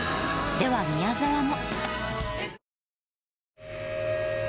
では宮沢も。